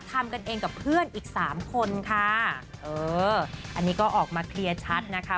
ทำกันเองกับเพื่อนอีกสามคนค่ะเอออันนี้ก็ออกมาเคลียร์ชัดนะคะ